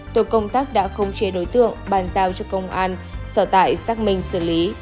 tổ công tác đã không chế đối tượng bàn giao cho công an sở tại xác minh xử lý